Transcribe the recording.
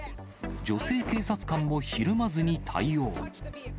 女性警察官もひるまずに対応。